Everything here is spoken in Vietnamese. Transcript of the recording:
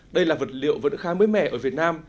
đây là vật liệu vẫn khá mới mẻ ở việt nam